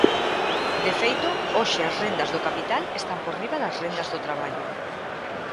De feito, hoxe as rendas do capital están por riba das rendas do traballo.